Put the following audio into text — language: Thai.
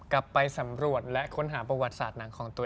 ไปสำรวจและค้นหาประวัติศาสตหนังของตัวเอง